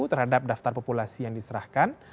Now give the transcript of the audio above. terhadap daftar populasi yang diserahkan